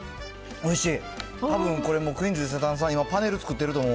おいしい！